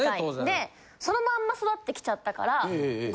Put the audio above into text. でそのまんま育ってきちゃったから。